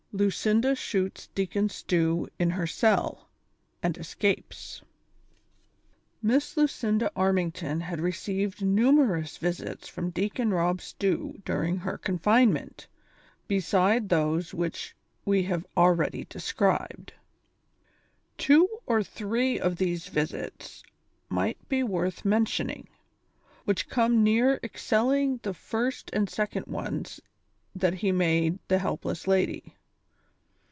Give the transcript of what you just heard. LUCmDA SHOOTS DEACON STEW EST HER CELL, AND ESCAPES. ISS LUCINDA AKMIXGTOX had received numerous visits from Deacon Rob Stew during her confinement, beside those which we have ah'eady described. Two or three of these visits may be worth mentioning, whicli come near excelling the first and second ones that he made the helpless lady.